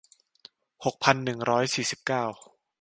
หกพันหนึ่งร้อยสี่สิบเก้า